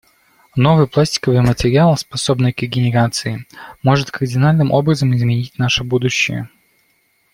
Новый пластиковый материал, способный к регенерации, может кардинальным образом изменить наше будущее.